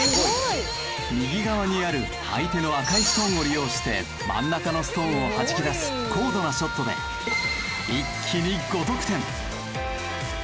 右側にある相手の赤いストーンを利用して真ん中のストーンをはじき出す高度なショットで一気に５得点。